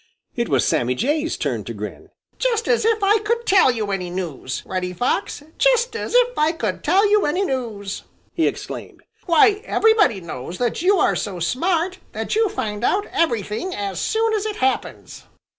It was Sammy Jay's turn to grin, "Just as if I could tell you any news, Reddy Fox! Just as if I could tell you any news!" he exclaimed. "Why, everybody knows that you are so smart that you find out everything as soon as it happens."